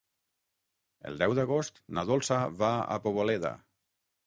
El deu d'agost na Dolça va a Poboleda.